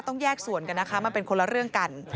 ต้องแยกส่วนกันนะคะมันเป็นคนละเรื่องกัน